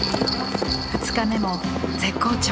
２日目も絶好調。